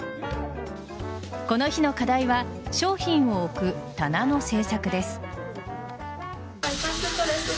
この日の課題は商品を置く棚の制作です。